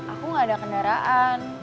aku gak ada kendaraan